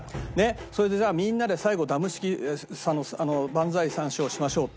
それでさみんなで最後ダム式万歳三唱をしましょうっていって。